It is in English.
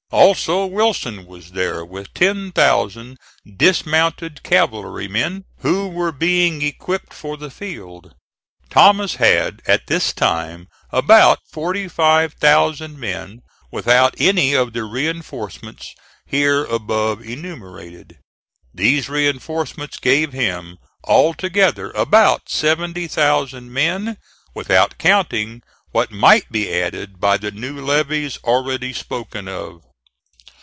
Also, Wilson was there with ten thousand dismounted cavalrymen, who were being equipped for the field. Thomas had at this time about forty five thousand men without any of the reinforcements here above enumerated. These reinforcements gave him altogether about seventy thousand men, without counting what might be added by the new levies already spoken of.